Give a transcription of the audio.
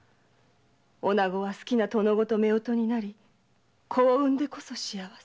女子は好きな殿方と夫婦になり子を産んでこそ幸せ。